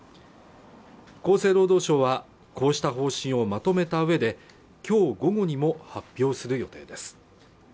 厚生労働省はこうした方針をまとめた上できょう午後にも発表する予定です